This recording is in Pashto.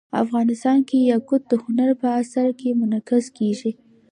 افغانستان کې یاقوت د هنر په اثار کې منعکس کېږي.